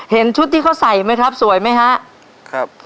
เห็นชุดที่เขาใส่ไหมครับสวยไหมครับ